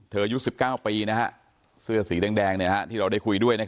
อายุ๑๙ปีเสื้อสีแดงที่เราได้คุยด้วย